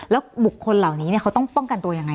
แล้วบุคคลเหล่านี้เขาต้องป้องกันตัวยังไง